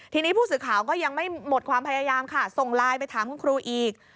ทีนี้ผู้สื่อข่าวก็ยังไม่หมดความพยายามค่ะส่งไลน์ไปถามคุณครูอีก